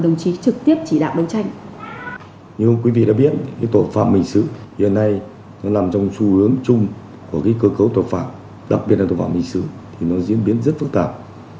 như quý vị đã biết tội phạm hình sự hiện nay nó nằm trong xu hướng chung của cơ cấu tội phạm đặc biệt là tội phạm hình sự thì nó diễn biến rất phức tạp